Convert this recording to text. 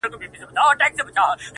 زما د وطن د شهامت او طوفانونو کیسې,